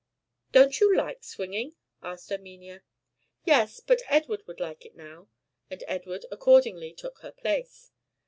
"Don't you like swinging?" asked Erminia. "Yes! but Edward would like it now." And Edward accordingly took her place.